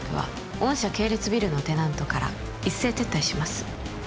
御社系列ビルのテナントから一斉撤退します